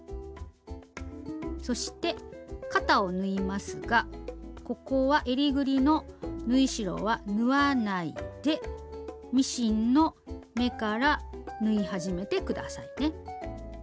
そして肩を縫いますがここはえりぐりの縫い代は縫わないでミシンの目から縫い始めて下さいね。